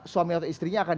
suami atau istrinya akan